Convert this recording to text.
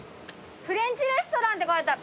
フレンチレストランって書いて。